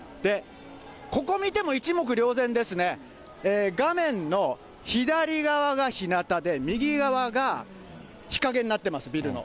ここ見ても一目りょう然ですね、画面の左側がひなたで、右側が日陰になってます、ビルの。